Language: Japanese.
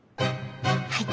はい。